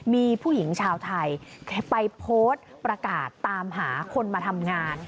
มีผู้หญิงชาวไทยไปโพสต์ประกาศตามหาคนมาทำงาน